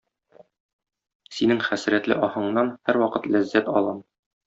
Синең хәсрәтле аһыңнан һәрвакыт ләззәт алам.